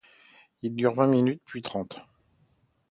Il dure vingt minutes, puis trente.